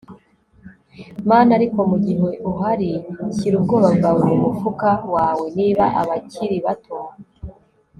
man ariko mugihe uhari shyira ubwoba bwawe mumufuka wawe. niba abakiri bato